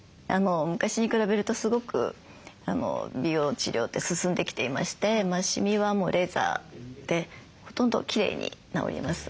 昔に比べるとすごく美容治療って進んできていましてシミはもうレーザーでほとんどきれいに治ります。